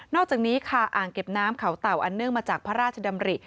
อกจากนี้ค่ะอ่างเก็บน้ำเขาเต่าอันเนื่องมาจากพระราชดำริ